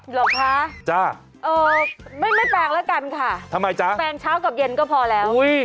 หรือคะไม่แปลงแล้วกันค่ะแปลงเช้ากับเย็นก็พอแล้วอุ๊ย